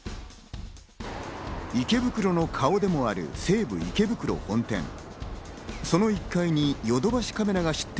池袋の顔でもある西武池袋本店。